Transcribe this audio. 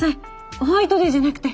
ホワイトデーじゃなくて。